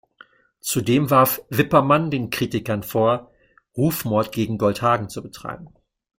Zudem warf Wippermann den Kritikern vor, Rufmord gegen Goldhagen zu betreiben.